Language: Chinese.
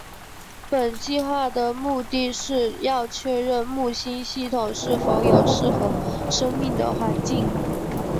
本计画的目的是要确认木星系统是否有适合生命的环境。